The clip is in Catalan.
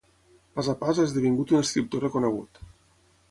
Pas a pas ha esdevingut un escriptor reconegut.